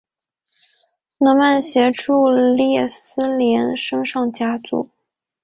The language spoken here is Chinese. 诺曼协助列斯联升上甲组。